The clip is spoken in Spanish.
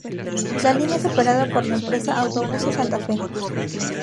La línea es operada por la empresa Autobuses Santa Fe.